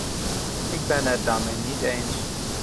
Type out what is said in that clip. Ik ben het daarmee niet eens.